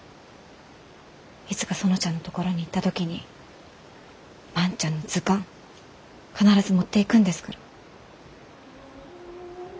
いつか園ちゃんのところに行った時に万ちゃんの図鑑必ず持っていくんですから。